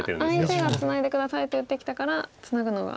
ただ相手が「ツナいで下さい」と言ってきたからツナぐのは嫌と。